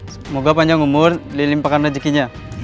semoga panjang umur dilimpahkan rezekinya